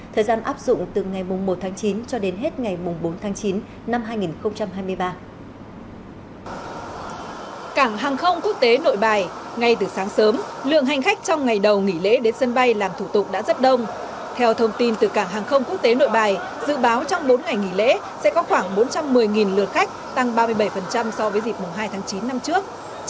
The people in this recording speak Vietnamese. theo thông tin từ cảng hàng không quốc tế nội bài dự báo trong bốn ngày nghỉ lễ sẽ có khoảng bốn trăm một mươi lượt khách tăng ba mươi bảy so với dịp hai tháng chín năm trước